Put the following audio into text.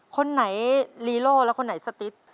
คนไหนลีโลและคนไหนสติ๊ด